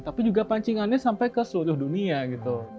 tapi juga pancingannya sampai ke seluruh dunia gitu